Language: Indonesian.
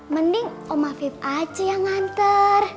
mending om afif aja yang ngantar